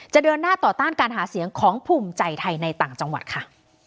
เดินหน้าต่อต้านการหาเสียงของภูมิใจไทยในต่างจังหวัดค่ะ